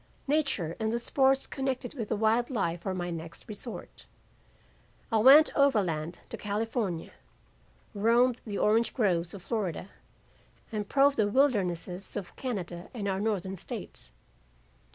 Nature and the sports connected with a wild life were my next resort. I went overland to California, roamed the orange groves of Florida, and probed the wildernesses of Canada and our Northern states.